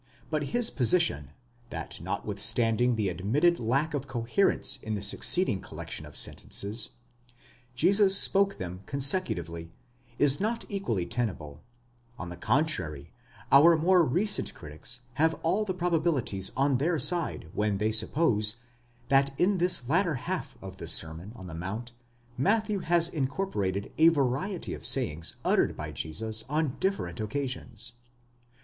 But his position, that notwithstanding the admitted lack of coherence in the suc ceeding collection of sentences, Jesus spoke them consecutively, is not equally tenable ; on the contrary, our more recent critics have all the probabilities on their side when they suppose, that in this latter half of the Sermon on the Mount Matthew has incorporated a variety of sayings uttered by Jesus on different occasions.